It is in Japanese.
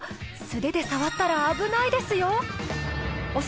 素手で触ったら危ないですよ。